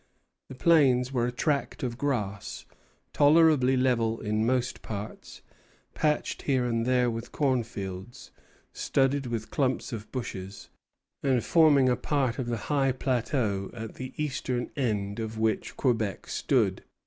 The Plains were a tract of grass, tolerably level in most parts, patched here and there with cornfields, studded with clumps of bushes, and forming a part of the high plateau at the eastern end of which Quebec stood.